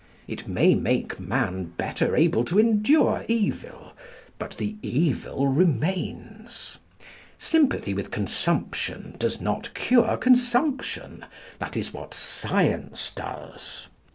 It may make man better able to endure evil, but the evil remains. Sympathy with consumption does not cure consumption; that is what Science does.